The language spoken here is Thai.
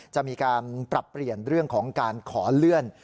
จะมีการปรับเปลี่ยนเรื่องของการขอเลื่อน